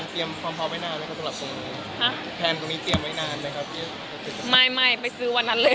เออหึ